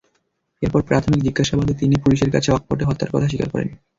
এরপর প্রাথমিক জিজ্ঞাসাবাদে তিনি পুলিশের কাছে অকপটে হত্যার কথা স্বীকার করেন।